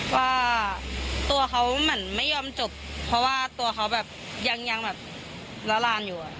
ว่าตัวเขาเหมือนไม่ยอมจบเพราะว่าตัวเขาแบบยังแบบละลานอยู่